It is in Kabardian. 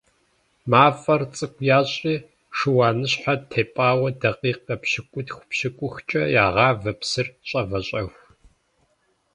Мафӏэр цӏыкӏу ящӏри шыуаныщхьэр тепӏауэ дакъикъэ пщыкӏутху - пщыкӏухкӏэ ягъавэ псыр щӏэвэщӏэху.